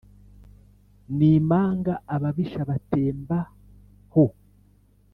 N'Imanga ababisha batemba ho.